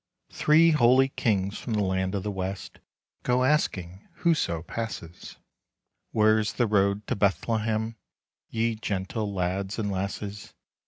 Three holy kings from the land of the West Go asking whoso passes, "Where is the road to Bethlehem, Ye gentle lads and lasses?"